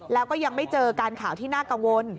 แล้วก็ยังไม่เจอการข่าวที่น่ากังวล